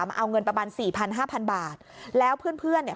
มาเอาเงินประมาณสี่พันห้าพันบาทแล้วเพื่อนเพื่อนเนี่ย